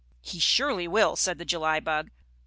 "He surely will," said the July bug.